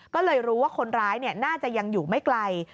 ก็เลยรู้ว่าคนร้ายน่าจะยังอยู่ไม่ไกล